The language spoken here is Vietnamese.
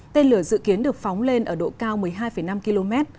tên lửa dự kiến được phóng lên ở độ cao một mươi hai năm km